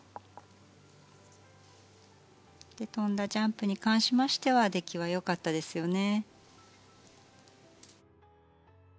跳んだジャンプに関しては出来はよかったですよね。